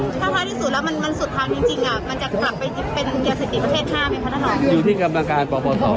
กรรมการปป๒แล้วมันสุดท้ายจริงอ่ะมันจะกลับไปเป็นเกียรติสิทธิประเทศห้ามหรือพันธธรรม